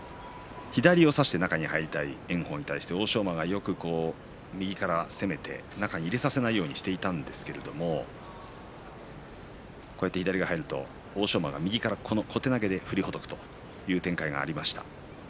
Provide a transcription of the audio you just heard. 左を差して中に入りたい炎鵬に対して欧勝馬が右から攻めて中に入れさせないようにしていたんですけれどもこうやって左に入ると欧勝馬が右から小手投げで振りほどくという展開がありました。